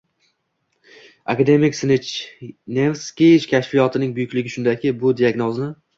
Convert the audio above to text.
Akademik Snejnevskiy kashfiyotining buyukligi shundaki, bu diagnozni...